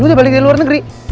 lu udah balik dari luar negeri